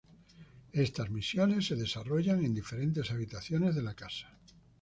Estas misiones se desarrollan en diferentes habitaciones de la casa.